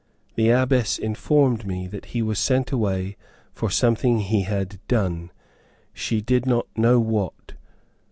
The Abbess informed me that he was sent away for something he had done, she did not know what.